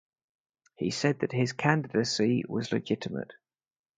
He said that his candidacy was legitimate.